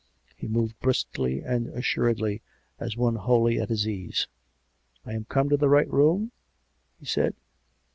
He moved briskly and assuredly, as one wholly at his ease. " I am come to the right room ?" he said.